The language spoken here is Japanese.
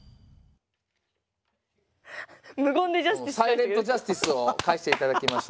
サイレントジャスティスを返していただきました。